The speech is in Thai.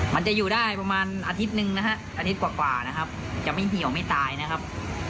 มันจะอยู่ได้ประมาณอาทิตย์หนึ่งนะฮะอาทิตย์กว่านะครับจะไม่เหี่ยวไม่ตายนะครับ